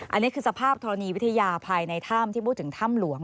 อันนี้คือสภาพธรณีวิทยาภายในถ้ำที่พูดถึงถ้ำหลวง